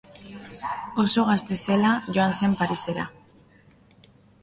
Oso gazte zela joan zen Parisera.